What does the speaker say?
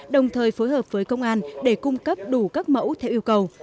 đồng thời phối hợp với công an để cung cấp đủ các mẫu theo yêu cầu